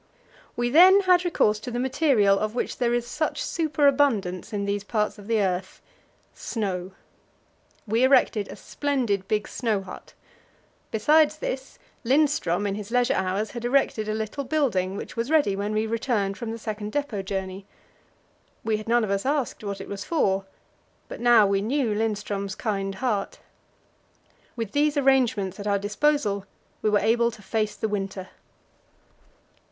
We then had recourse to the material of which there is such superabundance in these parts of the earth snow. We erected a splendid big snow hut. Besides this, Lindström in his leisure hours had erected a little building, which was ready when we returned from the second depot journey. We had none of us asked what it was for, but now we knew Lindström's kind heart. With these arrangements at our disposal we were able to face the winter.